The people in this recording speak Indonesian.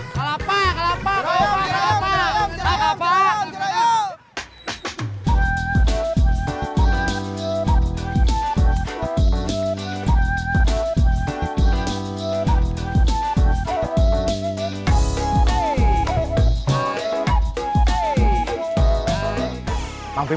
kelapa kelapa kelapa kan